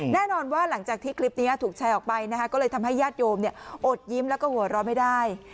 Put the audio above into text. แน่นอนว่าหลังจากที่คลิปนี้ถูกแชร์ออกไปนะคะก็เลยทำให้ญาติโยมอดยิ้มแล้วก็หัวเราะไม่ได้